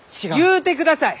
言うてください！